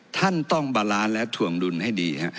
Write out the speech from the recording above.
ท่านต้องบาลานซ์และถ่วงดุลให้ดีฮะ